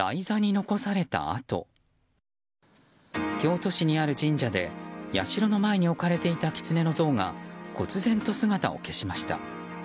京都市にある神社で社の前に置かれていたキツネの像が忽然と姿を消しました。